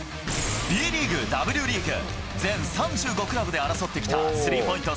Ｂリーグ、Ｗリーグ、全３５クラブで争ってきたスリーポイント